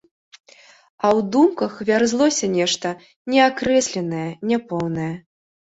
А ў думках вярзлося нешта неакрэсленае, няпоўнае.